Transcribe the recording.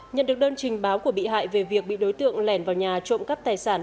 nhận được đơn trình báo của bị hại về việc bị đối tượng lẻn vào nhà trộm cắp tài sản